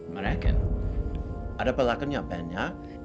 mereka ada pelakunya banyak